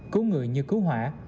cứu người như cứu hỏa